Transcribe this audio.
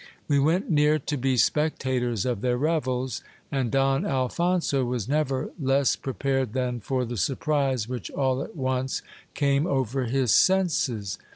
We went near to be spectators of their revels ; and Don Alphonso was never less prepared than for the surprise which all at once came over his senses.